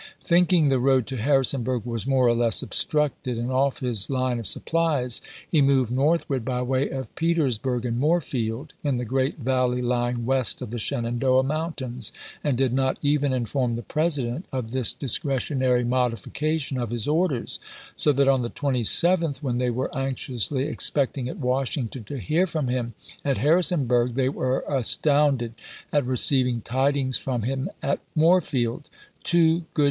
Thinking the road to Harrisonburg Ibid., p. 11. was more or less obstructed, and off his line of supplies, he moved northward by way of Peters burg and Moorefield, in the great valley lying west of the Shenandoah Mountains, and did not even inform the President of this discretionary modifica tion of his orders, so that, on the 27th, when they were anxiously expecting at Washington to hear from him at Harrisonburg, they were astounded at receiving tidings from him at Moorefield, two good Ibid.